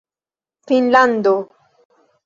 finnlando